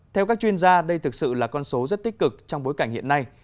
theo các chuyên gia đây thực sự là con số rất tích cực trong bối cảnh hiện nay